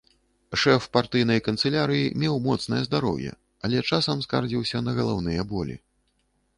Шэф партыйнай канцылярыі меў моцнае здароўе, але часам скардзіўся на галаўныя болі.